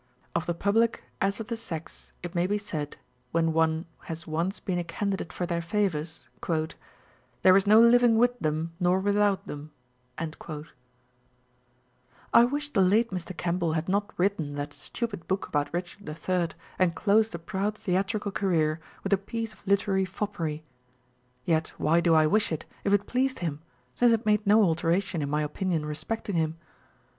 Of the public as of the sex it may be said, when one has once been a candidate for their favours? There is no living with them, nor without them ! i Mr. Charles Mathews the elder. â€" Ed. On Novelty and Familiarity. 423 â– I wish the late Mr. Kemble had not written that stupid book about Eichard III. and closed a proud theatrical career with a piece of literary foppery.1 Yet why do I wish it if it pleased him, since it made no alteration in my opinion respecting him